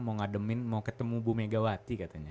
mau ngademin mau ketemu bu megawati katanya